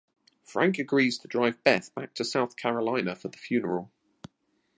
Frank agrees to drive Beth back to South Carolina for the funeral.